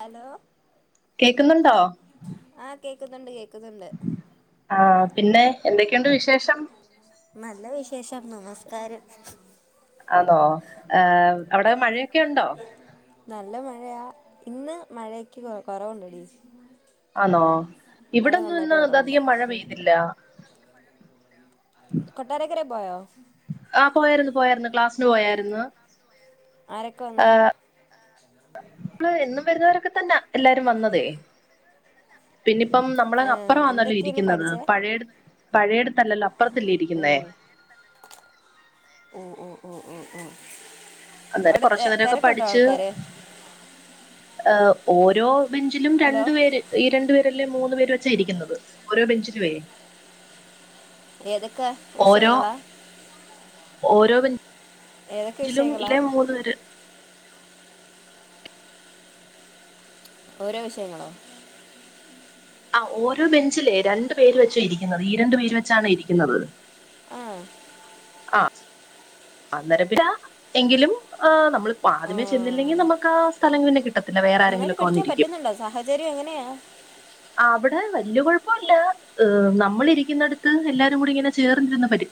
Hello കേക്ക്ന്ന്ണ്ടോ ആഹ് കേക്ക്ന്ന്ണ്ട് കേക്ക് ആഹ് പിന്നെ എന്തൊക്കെണ്ട് വിശേഷം നല്ല വിശേഷം നമസ്കാരം ആന്നോ ഹ് അവിടെ മഴ നല്ല മഴയാ ഇന്ന് മഴക്ക് കൊ കൊറവുണ്ട് ആന്നോ മഴ ഇവിടന്നും നന്നായിട്ട് ന്ന് ത അധികം മഴ ഉം പെയ്തില്ല കൊട്ടാരക്കരേ പോയോ ആഹ് പോയാര്ന്ന് പോയാര്ന്ന് ക്ലാസ്സിന് പോയാര്ന്ന് ആരൊക്കെ വന്ന് മ്മള് എന്നും വരുന്നവരൊക്കെ തന്നാ എല്ലാരും വന്നതേ പിന്നിപ്പം നമ്മള് ആ അപ്പുറം ആന്നല്ലോ എന്തൊക്കെയാ ഇന്ന് ഇരിക്കുന്നത് പഠിച്ചേ പഴയടു പഴയടുത്തല്ലല്ലോ പ്പർത്തല്ലിരിക്കുന്നേ ഉം ഉം ഉം ഉം ഉം അന്നേരം അവിടെ എ കുറച്ചു തെരക്കുണ്ടോ ആൾക്കാര് ഏ ഓരോ ബെഞ്ചിലും ഹലോ രണ്ടു പേര് ഈ രണ്ടു പേരല്ലേ മൂന്ന് പേര് വെച്ച ഇരിക്കുന്നത് ഓരോ ബെഞ്ചിലെ ഏതൊക്കെ ഓരോ വിഷയങ്ങളാ ഓരോ ഏതൊക്കെ ബെഞ്ചിലും വിഷയങ്ങളാ ഇല്ലേ മൂന്ന് പേര് ഓരോ വിഷയങ്ങളോ ആ ഓരോ ബെഞ്ചിലേ രണ്ടു പേര് വെച്ച ഇരിക്കുന്നത് ഈ രണ്ടു പേര് വെച്ചാണ് ഇരിക്കുന്നത് ആഹ് ആഹ് അന്നരപ്പില എങ്കിലും ആ നമ്മളിപ്പോ ആ ആദ്യമേ ചെന്നില്ലെങ്കി നമുക്ക സ്ഥലം പിന്നെ കിട്ടത്തില്ല നന്നായിട്ട് വേറാരെങ്കിലൊക്കെ പഠിക്കാൻ വന്നിരിക്കും പറ്റുന്നുണ്ടോ സാഹചര്യം എങ്ങനെയാ അവിടെ വല്യ കുഴപ്പമില്ല നമ്മളിരിക്കുന്നടുത്ത് എല്ലാരും കൂടി ങ്ങനെ ചേർന്നിരുന്ന് വരും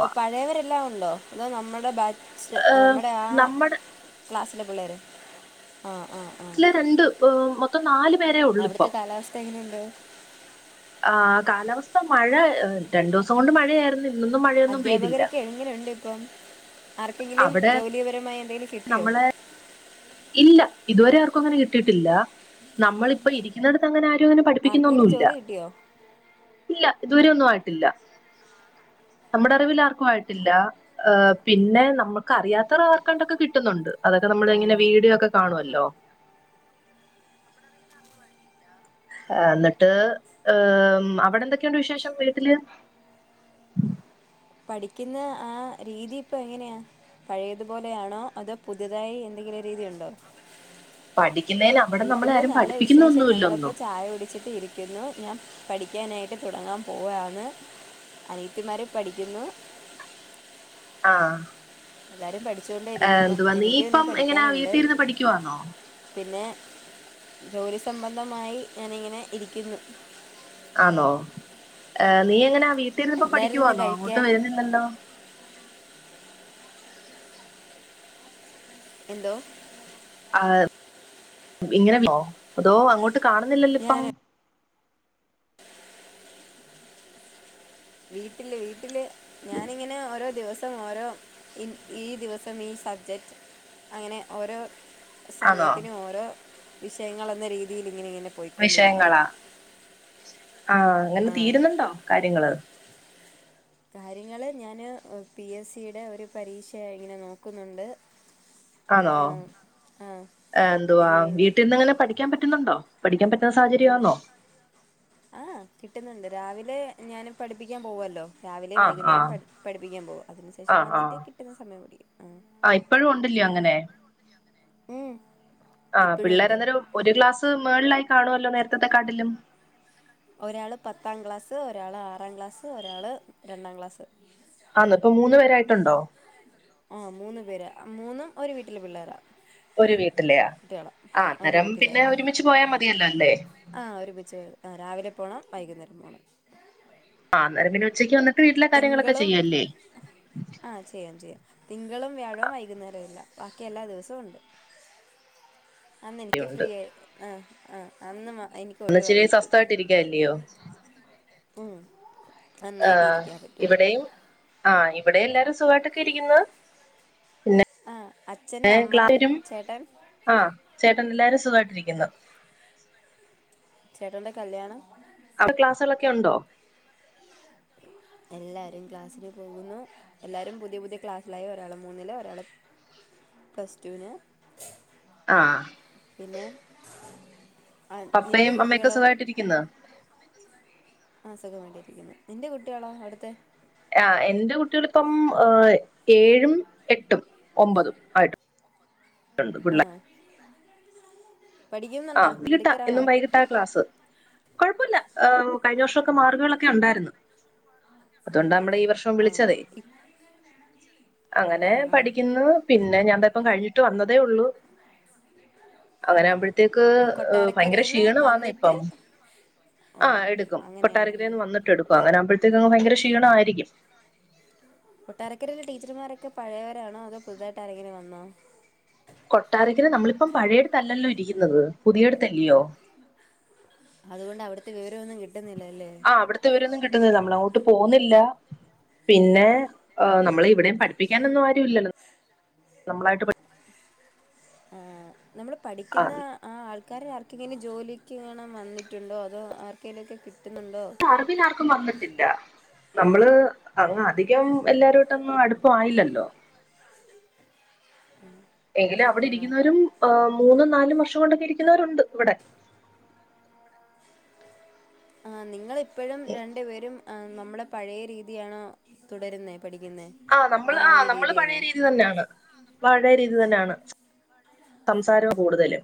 ഓ പഴയവരെല്ലാ ഉണ്ടോ അതോ നമ്മടെ ബാച്ച് ആ, നമ്മുടെ ആ നമ്മുടെ ക്ലാസ്സിലെ പിള്ളേര് ആഹ് ആഹ് ല്ല രണ്ട് മൊത്തം നാല് പേരേ ഒള്ളു ഇപ്പം പ്പെങ്ങനെയുണ്ട് ആ കാലാവസ്ഥ മഴ രണ്ടു ദിവസം കൊണ്ട് മഴയായിര്ന്നു അദ്ധ്യാപകരൊക്കെങ്ങനെണ്ട്പ്പം ആർക്കെങ്കിലും ജോലിപരമായി എന്തെങ്കിലും കിട്ടിയോ ആഹ് ഇല്ല ഇതുവരെ ആർക്കു അങ്ങനെ കിട്ടിയിട്ടില്ല നമ്മളിപ്പ ഇരിക്കുന്നിടത്തങ്ങനാരും നാരു അങ്ങനെ ആർക്കെങ്കിലും പഠിപ്പിക്കുന്നൊന്നുല്ല ജോലി കിട്ടിയോ ഇല്ല ഇതുവരെ ഒന്നു ആയിട്ടില്ല നമ്മടറിവിലാർക്കും ആയിട്ടില്ല. ഏഹ് പിന്നെ നമുക്കറിയാത്ത ആർക്കാണ്ടൊക്കെ കിട്ടുന്നുണ്ട്. അതൊക്കെ ആ നമ്മളെങ്ങനെ വീഡിയൊക്കെ കാണുവല്ലോ. ഏഹ് എന്നട്ട് ഏഹ്, അവിടെന്തൊക്കെണ്ട് വിശേഷം വീട്ടില്? പഠിക്കുന്ന ആ രീതി ഇപ്പൊ എങ്ങെനെയാ? പഴയതുപോലെയാണോ അതോ പുതിതായി എന്തെങ്കിലും രീതിയുണ്ടോ? പഠിക്കുന്നതിന് അവിടെ നമ്മളെ വീട്ടില് ആരും നല്ല വിശേഷം. പഠിപ്പിക്കുന്നൊന്നുമില്ല ഞങ്ങളിപ്പോ ഒന്നും ചായ കുടിച്ചിട്ട് ഇരി ക്കുന്നു. ഞാൻ പഠിക്കാനായിട്ട് തുടങ്ങാൻ പോവയാണ്. അനിയത്തിമാര് പഠിക്കുന്നു. ആഹ് എല്ലാരും പഠിച്ചുകൊണ്ടേയിരിക്കുന്നു. നീ എനിക്കും ഇനി ഇപ്പം എങ്ങനാ പഠിക്കാനുണ്ട്. വീട്ടിൽ ഇരുന്ന് പഠിക്കുവാന്നോ പിന്നെ ജോലി സംബന്ധമായി ഞാനിങ്ങനെ ഇരിക്കുന്നു. ആന്നോ? ഏഹ് നീ എങ്ങനാ വീട്ടിര്ന്ന്പ്പോ എന്തായിരുന്നു ഇന്ന് പഠിക്കുവാന്നോ ഇങ്ങോട്ട് കഴിക്കാൻ വരുന്നില്ലല്ലോ. എന്തോ? ഇങ്ങനെന്നോ അതോ അങ്ങോട്ട് കാണുന്നില്ലല്ലോ ഇപ്പം. ഞാൻ വീട്ടില് വീട്ടില് ഞാനിങ്ങനെ ഓരോ ദിവസം സം ഓരോ ഇ ഈ ദിവസം ഈ സബ്ജക്റ്റ് അങ്ങനെ ഓരോ ആണോ സമയത്തിന് ഓരോ വിഷയങ്ങളെന്ന രീതിയിൽ ഇങ്ങനെ ഇങ്ങനെ പോയിക്കൊണ്ടിരിക്കുക വിഷയങ്ങളാ? ആഹ് ഇങ്ങനെ ആ തീരുന്നുണ്ടോ കാര്യങ്ങള്? കാര്യങ്ങള് ഞാന് പി എസ് സിയുടെ ഒരു പരീക്ഷ ഇങ്ങനെ നോക്കുന്നുണ്ട്. ആന്നോ? ആ, ആ എന്തുവാ അതിനു വേണ്ടി വീട്ടിന്നിങ്ങനെ പഠിക്കാൻ പറ്റുന്നുണ്ടോ? പഠിക്കാൻ പറ്റുന്ന സാഹചര്യാന്നോ? ആഹ് കിട്ടുന്നുണ്ട്. രാവിലെ ഞാന് പഠിപ്പിക്കാൻ പോവുവല്ലോ. രാവിലെയും ആഹ് വൈകുന്നേരോം ആഹ് പഠി പഠിപ്പിക്കാൻ പോകും. അതിനു ശേഷം ആഹ് വന്നിട്ട് കിട്ടുന്ന സമയം പഠിക്കും. ആഹ് ഇപ്പഴും ഉണ്ടല്ല്യോ അങ്ങനെ. ഉം ഇപ്പഴുണ്ട്. വേറന്തെരു ഒരു ക്ലാസ് മേളിലായി കാണുവല്ലോ നേരത്തത്തെകാട്ടിലും. ഒരാള് പത്താം ക്ലാസ്, ഒരാള് ആറാം ക്ലാസ്, ഒരാള് രണ്ടാം ക്ലാസ്സ്. ആന്നൊ, ഇപ്പൊ മൂന്ന് പേരായിട്ടുണ്ടോ? ആഹ് മൂന്ന് പേരാ. ആ മൂന്നും ഒരു വീട്ടിലെ പിള്ളേരാ. ഒരു വീട്ടിലെയാ? ആഹ് ഒരു അന്നേരം പിന്നെ ഒരുമിച്ച് പോയാ മതിയല്ലോല്ലേ. ആഹ് ഒരുമിച്ച്. ആഹ് രാവിലെ പോണം വൈകുന്നേരം പോണം. ആഹ് അന്നേരം പിന്നെ ഉച്ചയ്ക്ക് വന്നി തിങ്കളും ആഹ് ചെയ്യാം ചെയ്യാം. തിങ്കളും വ്യാഴവും വൈകുന്നേരൊല്ല. ബാക്കി എല്ലാ ദിവസവും ഉണ്ട്. അന്നെനിക്ക് ഉണ്ട് ഫ്രീയായി ആഹ് ആഹ് അന്ന് മാ എനിക്ക് എന്നിച്ചിരി ഒഴിവായിരിക്കും. സ്വസ്ഥമായിട്ടിരിക്കല്ലയോ ഉം നന്നായിട്ട് ആഹ് ഇരിക്കാൻ പറ്റും ഇവിടെയും ആഹ് ഇവിടെയും എല്ലാരും സുഖായിട്ടൊക്കെ ഇരിക്ക്ന്ന്. ആ അച്ഛൻ അമ്മ [unintelligible] ചേട്ടൻ ആഹ് ചേട്ടൻ എല്ലാരും സുഖായിട്ടിരിക്കുന്നു. ചേട്ടന്റെ കല്യാണം ആ ക്ലാസുകളൊക്കെ ഒണ്ടോ? എല്ലാരും ക്ലാസ്സിന് പോകുന്നു. എല്ലാരും പുതിയ പുതിയ ക്ലാസ്സിലായി. ഒരാള് മൂന്നില് ഒരാള് പ്ലസ്റ്റുന്. ആഹ് പിന്നെ, ആഹ് നിന്റെ പപ്പയും അമ്മയൊക്കെ കുട്ടികളോ? സുഖമായിട്ടിരിക്കുന്ന ആ സുഖം വേണ്ടിരിക്കുന്നു, നിന്റെ കുട്ടികാളോ അവിടുത്തെ? ഏഹാ എന്റെ കുട്ടികളിപ്പം ഏഴും എട്ടും ഒമ്പതും ആയിട്ട് രണ്ട് ആ പിള്ള ആഹ് പഠിക്കുന്നുണ്ടോ [unintelligible] എന്നും മിടുക്കരാണോ വൈ ട്ടാ ക്ലാസ് കെഴപ്പല്ല ഏഹ് കഴിഞ്ഞ വർഷക്കെ മാർകുകളെക്കെ ഉണ്ടായിരുന്ന്. അതുകൊണ്ടാ നമ്മൾ ഈ വർഷം ആ വിളിച്ചതേ ഇപ്പം അങ്ങനെ ആഹ് ആഹ് പഠിക്കുന്നു പിന്നെ ഞാൻ ഇപ്പം കഴിഞ്ഞിട്ട് വന്നതേ ഉള്ളൂ. അങ്ങനെവുമ്പ യക്ക് ഹ് ഭയങ്കര കൊട്ടാരക്കരേന്ന് ക്ഷീണവാന്നേ വന്നിട്ട് ഇപ്പം ഓ ആഹ് എടുക്കും അങ്ങനെയാണല്ലേ കെട്ടാരക്കരന്ന് വ ട്ട് എടുക്കും അങ്ങനകുമ്പഴത്തേക്ക് ഭയങ്കരാ ക്ഷീണമായിരിക്കും. കൊട്ടാരക്കരല്ലെ ടീച്ചർമാരൊക്കെ പഴയവരാണോ അതോ പുതുതായിട്ട് ആരങ്കിൽ വന്നോ? കൊട്ടാരക്കനമ്മളിപ്പം പഴയടുത്തല്ലല്ലോ ഇരിക്കുന്നത് പുതിയടുത്തല്ലയോ അതുകൊണ്ട് അവിടുത്തെ വിവരമൊന്നും കിട്ടുന്നില്ല ല്ലേ? ആ അവിടുത്തെവിവരം രൊന്നും കിട്ടുന്നില്ല നമ്മള അങ്ങോട്ട് പോകുന്നില്ല. പിന്നെ ഓ നമ്മള ഇവിടെയും പഠിപ്പിക്കാനൊന്നും ആരു ഇല്ലല്ലോ നമ്മളായിട്ട് ആ നമ്മള് പഠിക്കുന്ന ആഹ് ആ ആൾക്കാർ ആർക്കെങ്കിലും ജോലിക്ക് കാണാൻ വന്നിട്ടുണ്ടോ? അതോ ആർക്കെലുംക്കെ കിട്ടുന്നുണ്ടോ? അറബി പിന്നാർക്കും വന്നിട്ടില്ല. നമ്മള് അ അധികം എല്ലാവരായിട്ടൊന്നും അടുപ്പായില്ലല്ലോ. [inaudible] എങ്കിലും അവിടെ അങ്ങനെയാണോ ഇരിക്കുന്നവരും ഹ് മൂന്നും നാലും വർഷം കൊണ്ടൊക്കെ ഇരിക്കുന്നവരുണ്ട് ഇവിടെ. ആ നിങ്ങളിപ്പഴും രണ്ടു പേരും നമ്മളെ പഴയ രീതിയാണോ തുടരുന്നേ പഠിക്കുന്നേ? ആ നമ്മള് ആ ഒരു നമ്മള് പഴയ രീതിയാണോ രീതി തന്നെയാണ്. പഴയ രീതിൽ തന്നാണ് സംസാരം കൂടുതല്.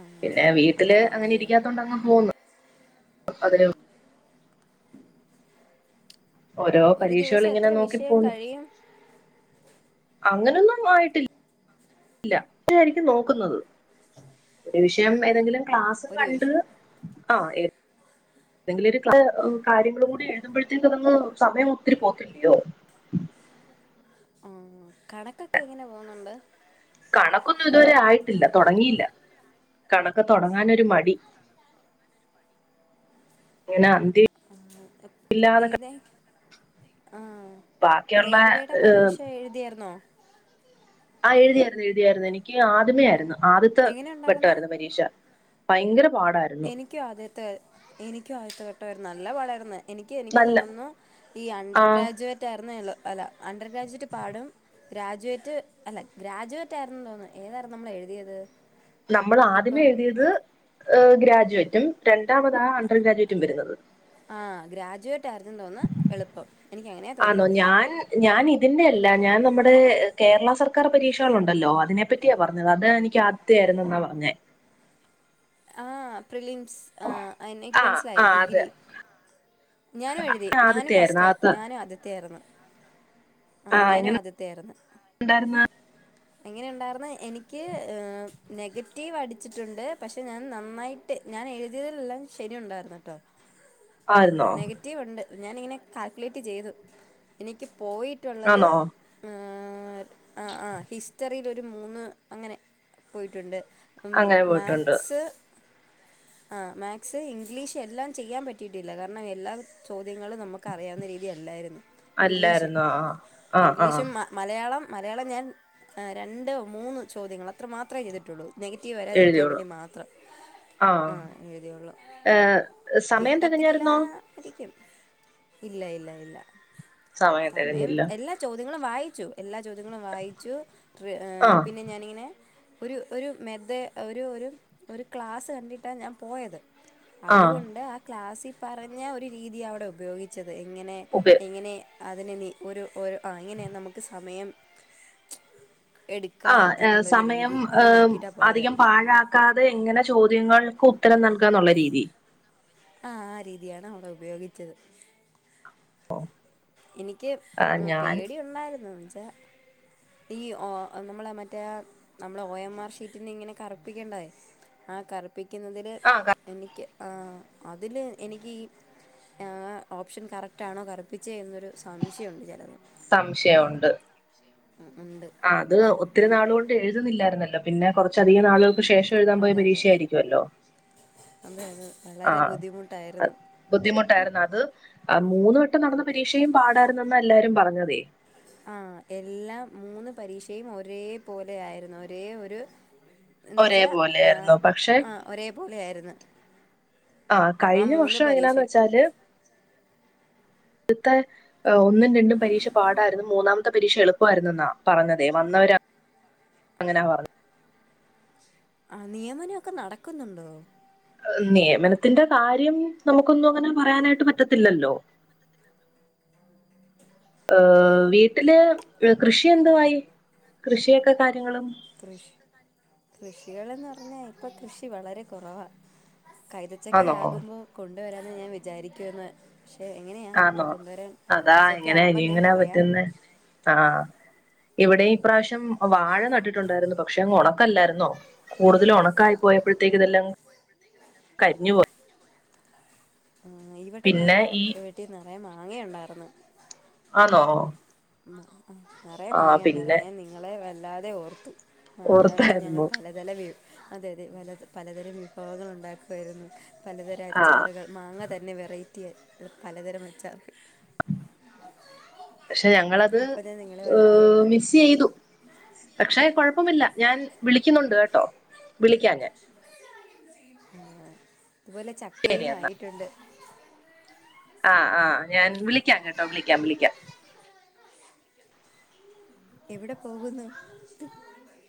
ആഹ് പിന്നെ വീട്ടില് അങ്ങനെ അങ്ങനെയാണല്ലയോ ഇരിക്കാത്ത കൊണ്ടങ്ങ് പോവുന്നു അതി [inaudible] ഓരോ ഒരു പരീക്ഷകൾ ദിവസം ഇങ്ങനെ എത്ര വിഷയം നോക്കിപ്പോവുന്നു. കഴിയും അങ്ങനൊന്നും ആയിട്ടില്ല [unintelligible] നോക്കുന്നത്. [inaudible] ഒരു വിഷയം ഏതെങ്കിലും ക്ലാസും ഒരു കണ്ട് വിഷയം ആഹ് എന്തെങ്കിലും ഒരു കാര്യങ്ങളും കൂടി എഴുതുമ്പഴത്തേനതൊന്ന് സമയം ഒത്തിരി പോകില്ലയോ? ആഹ് കണക്കൊക്കെ എങ്ങനെ പോവുന്നുണ്ട്? കണക്കൊന്നും ഇതുവരെ ആയിട്ടില്ല തുടങ്ങിയില്ല കണക്ക് തുടങ്ങാൻ മടി ഇങ്ങനെ അന്തി എപ് ഏത് ആഹ് ബാക്കിയുള്ള റെയിൽവേടെ ഏഹ്, പരീക്ഷ എഴുതിയായിരുന്നോ? ആ എഴുതിയായിരുന്നു എഴുതിയായിരുന്നു എനിക്ക് ആദ്യമേ ആരുന്നു ആദ്യത്തെ എങ്ങനെ ഉണ്ടായിരുന്ന് വട്ടായിരുന്നു പരീക്ഷ. ഭയങ്കര പാടായിരു എനിക്കും ആദ്യത്തെ എനിക്കും ആദ്യത്തെ ഘട്ടായിര്ന്ന് നല്ല പാടായിര്ന്ന്. എനിക്ക് എനിക്ക് നല്ല തോന്നുന്നു ഈ ആ അണ്ടർ ഗ്രാജുവേറ്റ് ആയിരുന്നു. അല്ല അണ്ടർ ഗ്രാജുവേറ്റ് പാടും. ഗ്രാജുവേറ്റ് അല്ല ഗ്രാജുവേറ്റ് ആയിരുന്നു തോന്നു ഏതായിരുന്നു നമ്മൾ എഴുതിയത്? നമ്മൾ ആദ്യമേ ഇപ്പം എഴുതിയത് ഹ് ഗ്രാജുവേറ്റും രണ്ടാമതാ അണ്ടർ ഗ്രാജുവേറ്റും വരുന്നത്. ആ ഗ്രാജുവേറ്റ് ആയിരുന്നു തോന്ന്ണ് എളുപ്പം എനിക്കങ്ങനെ ആന്നോ ഞാൻ ഞാൻ ഇതിന്റെ അല്ല ഞാൻ നമ്മടെ കേരള സർക്കാർ പരീക്ഷകളുണ്ടല്ലോ അതിനെ പറ്റിയാ പറഞ്ഞത് അത് എനിക്ക് യായിരുന്നെന്നാ പറഞ്ഞേ ആഹ് പ്രിലിംസ് ആ എനിക്ക് ആ മനസ്സിലായി ആ അത് ഡിഗ്രി ഞാനും എഴുതി ഞാനും ആദ്യത്തെ ആയിരുന്നു ഫസ്റ്റാ ആദ്യത്തെ ഞാനും അദ്യത്തെ ആയിരുന്നു ആ ആഹ് ഞാനും എങ്ങനെ ആദ്യത്ത ആയിര്ന്ന് ഉണ്ടായിരുന്ന എങ്ങനെയുണ്ടായിര്ന്ന് എനിക്ക് നെഗറ്റീവ് അടിച്ചിട്ടുണ്ട് പക്ഷെ ഞാൻ നന്നായിട്ട് ഞാൻ എഴുതിയതിലെല്ലാം ശരി ഉണ്ടായിരുന്ന് ട്ടോ ആര്ന്നോ റ്റീവ് ണ്ട് ഞാനിങ്ങനെ കാൽക്കുലേറ്റ് ചെയ്തു എനിക്ക് പോയിട്ടുള്ളത് ആന്നോ ആഹ് ആഹ് ഹിസ്റ്ററിയിലൊരു മൂന്ന് അങ്ങനെ പോയിട്ടുണ്ട് ഉം അങ്ങനെ പോയിട്ടുണ്ട് മാക്സ് ആഹ് മാക്സ്‌ ഇംഗ്ലീഷ് എല്ലാം ചെയ്യാൻ പറ്റിയിട്ടില്ല കാരണം എല്ലാ ചോദ്യങ്ങള് നമുക്ക് അറിയാവുന്ന രീതി അല്ലാരുന്നു ഇംഗ്ലീഷ് അല്ലായിരുന്നോ ആ ആ ആ ഇംഗ്ലീഷും മാ മലയാളം മലയാളം ഞാൻ രണ്ട് മൂന്ന് ചോദ്യങ്ങൾ അത്ര മാത്രമേ ചെയ്തിട്ടുള്ളൂ നെഗറ്റീവ് വരാതിരിക്കാൻ എഴുതിയോളൂ വേണ്ടി മാത്രം ആ ആഹ് എഴുതിയുള്ളൂ ഏ സമയം കിട്ടത്തില്ല തികഞ്ഞായിരുന്നോ ആരിക്കും ഇല്ല ഇല്ല ഇല്ല സമയം എല്ലാ ചോദ്യങ്ങളും വായിച്ചു എല്ലാ ചോദ്യങ്ങളും വായിച്ചു ആ പിന്നെ ഞാനിങ്ങനെ ഒരു ഒരു മെദേ ഒരു ഒരു ഒരു ക്ലാസ്സ് കണ്ടിട്ടാ ഞാൻ പോയത് ആ അതുകൊണ്ട് ആ ക്ലാസ്സിൽ പറഞ്ഞ ഒരു രീതിയാ അവിടെ ഉപയോഗിച്ചത് എങ്ങനെ ഉപ ഇങ്ങനെ അതിനിനി ഒരു ഒര് ആഹ് ഇങ്ങിനെ നമ്മക്ക് സമയം എടുക്കാം ആഹ് ഏഹ് എന്നുള്ളൊരു സമയം രീതി അത് ഏഹ് നോക്കിയിട്ടാണ് പോയത് അധികം പാഴ ക്കാതെ എങ്ങനെ ചോദ്യങ്ങൾക്ക് ഉത്തരം നൽകാന്നുള്ള രീതി ആഹ് ആ രീതിയാണ് അവിടെ ഉപയോഗിച്ചത് ഓഹ് എനിക്ക് ഉം പേടി ഉണ്ടായിരുന്നു എന്നുവെച്ചാ ഈ ഒ നമ്മളെ മറ്റേ നമ്മളെ ഒ എം ആർ ഷീറ്റിന്നിങ്ങനെ കറുപ്പിക്കണ്ടതേ ആ കറുപ്പിക്കുന്നതില് ആ ക- എനിക്ക് ആഹ് അതില് എനിക്ക് ഈ ആഹ് ഓപ്ഷൻ കറക്റ്റാണോ കറുപ്പി ച്ചെ എന്നൊരു സംശംയൊണ്ട് ചെലത് സംശയൊണ്ട് ഉം ഉണ്ട് ആഹ് അത് ഒത്തിരി അങ്ങനെ നാളുകൊണ്ട് എഴുതുന്നില്ലാരുന്നല്ലോ പിന്നെ കുറച്ചധികം നാളുകൾക്ക് ശേഷം എഴുതാൻ പോയ അതെ അതെ പരീക്ഷയാരിക്കുവല്ലോ അതെ അതെ വളരെ ബുദ്ധിമുട്ടാരുന്നു ബുദ്ധിമുട്ടാരുന്നു അത് മൂന്ന് വട്ടം നടന്നെ പരീക്ഷയും പാടാരുന്നെന്നാ എല്ലാരും പറഞ്ഞതേ ആഹ് എല്ലാം മൂന്ന് പരീക്ഷയും ഒരേ പോലെ ആയിരുന്നു ഒരേ ഒരു എന്ന് വെച്ചാ ഒരേപോലെ ആയിരുന്നു പക്ഷെ ആഹ് ഒരേ പോലെ ആര്ന്ന് ആഹ് കഴിഞ്ഞ വർഷം എങ്ങനാന്ന് പരീക്ഷയും വെച്ചാല് ആദ്യത്തെ ഒന്നും രണ്ടും പരീക്ഷ പാടാരുന്നു മൂന്നാമത്തെ പരീക്ഷ എളുപ്പാരുന്നെന്നാ പറഞ്ഞതേ വന്നവരങ്ങനാ പറഞ്ഞെ ആഹ് നിയമനൊക്കെ നടക്കുന്നുണ്ടോ നിമയനത്തിന്റെ കാര്യം നമുക്കൊന്നും അങ്ങനെ പറയാനായിട്ട് പറ്റത്തില്ലല്ലോ ഏഹ് വീട്ടില് കൃഷിയെന്തുവായി കൃഷിയെക്കെ കാര്യങ്ങളും കൃഷ് കൃഷികളെന്ന് പറഞ്ഞാ ഇപ്പ കൃഷി വളരെ കൊറവാ ആണോ കൈതച്ചക്കയാകുമ്പോ കൊണ്ടുവരാന്ന് ഞാൻ വിചാരിക്കുവാന്ന് ക്ഷേ എങ്ങനെയാ ഇപ്പം ആണോ കൊണ്ടുവരാൻ അതാ കൈച്ചക്ക ആമ്പം ഞാൻ പറയാം ആഹ് ഇവിടെം ഇപ്രാശ്യം വാഴ നട്ടിട്ടൊണ്ടാരുന്നു പക്ഷെ അങ്ങ് ഒണക്കല്ലാരുന്നോ കൂടുതല് ഒണക്കായി പോയപ്പഴ്ത്തേക്ക് ഇതെല്ലാങ്ങ് കരിഞ്ഞുപോയി ആഹ് ഈ വെട്ടം പിന്നെ ഞങ്ങടെ ഈ വീട്ടി നിറയെ മാങ്ങയൊണ്ടാർന്ന് ആന്നോ മ്മ് ആഹ് നെറെ ആ പിന്നെ മാങ്ങെണ്ടാരുന്ന് ഞാൻ നിങ്ങളെ വല്ലാതെ ഓർത്തു മാങ്ങ വെച്ച് ഞങ്ങൾ ഓർത്തായിരുന്നു പലത് - [unintelligible] അതെ അതെ പല പലതരം വിഭവങ്ങൾ ഒണ്ടാക്കുവാരുന്നു പലതരം ആ അച്ചാറുകൾ മാങ്ങ തന്നെ വെറൈറ്റി ആയി പലതരം അച്ചാറ് ക്ഷെ ഞങ്ങളത് അപ്പോൾ ഞാൻ നിങ്ങളെ ഓ വല്ലാതെ ഓർത്തു മിസ്സ്എയ്തു പക്ഷെ കൊഴപ്പമില്ല ഞാൻ വിളിക്കുന്നൊണ്ട് കേട്ടോ വിളിക്കാ ഞാൻ ആഹ് തുപോലെ ശരി ചക്കയും ആയിട്ടൊണ്ട് ആഹ് ആഹ് ഞാൻ വിളിക്കാം കേട്ടോ വിളിക്കാം വിളിക്കാം എവിടെ പോകുന്നു